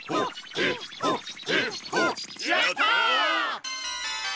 やった！